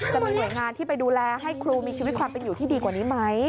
จะมีหน่วยงานที่ไปดูแลให้ครูมีชีวิตความเป็นอยู่ที่ดีกว่านี้ไหม